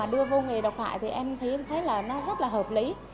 tôi vô nghề độc hại thì em thấy là nó rất là hợp lý